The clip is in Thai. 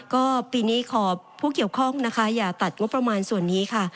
ก็ปีนี้ขอผู้เกี่ยวข้องนะคะอย่าตัดงบประมาณส่วนนี้ค่ะ